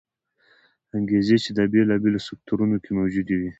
انګېزې چې د بېلابېلو سکتورونو کې موجودې وې